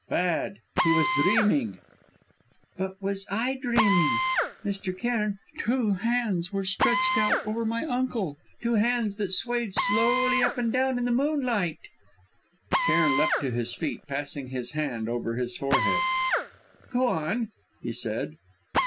"Bad; he was dreaming." "But was I dreaming? Mr. Cairn, two hands were stretched out over my uncle, two hands that swayed slowly up and down in the moonlight!" Cairn leapt to his feet, passing his hand over his forehead. "Go on," he said.